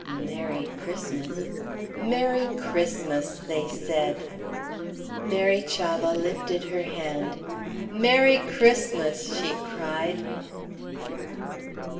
"Merry Christmas. Merry Christmas," they said. Mary Chavah lifted her hand. "Merry Christmas!" she cried.